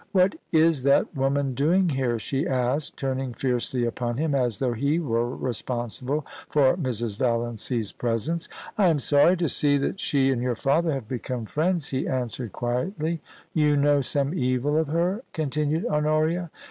*What is that woman doing here?' she asked, turning fiercely upon him, as though he were responsible for Mrs. Valiancy's presence. * I am sorry to see that she and your father have become friends,' he answered quietly. * You know some evil of her ?' continued Honoria.